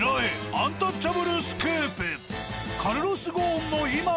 アンタッチャブルスクープ。